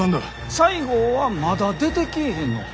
西郷はまだ出てきぃひんのか？